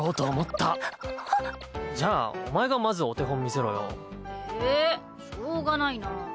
じゃあお前がまずお手本見せろよ。えしようがないなぁ。